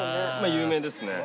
有名ですね。